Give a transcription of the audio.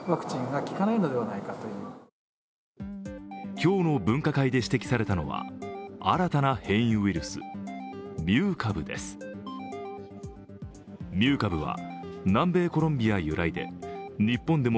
今日の分科会で指摘されたのは新たな変異ウイルス、ミュー株です。